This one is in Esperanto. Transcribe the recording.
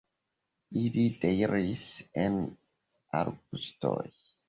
Ili deiris en arbustojn.